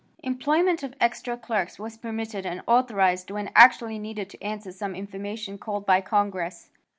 Employment of extra clerks was permitted and authorized when actually needed to answer some information called for by Congress.